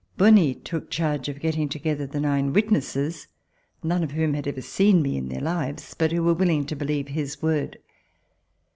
Bonie took charge of getting together the nine witnesses, none of whom had ever seen me in their lives, but who were willing to believe his word.